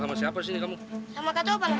sama kak topan kak